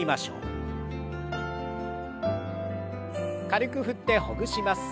軽く振ってほぐします。